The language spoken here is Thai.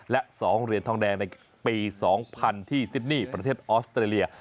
และ๒เหรียญทองแดงในปี๒๐๐ที่ซิดนี่ประเทศออสเตรเลีย